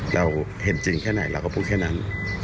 เราเห็นจริงแค่ไหนเราก็พูดแค่นั้น